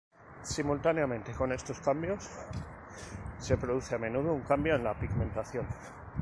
Simultáneamente con estos cambios, se produce a menudo un cambio en la pigmentación.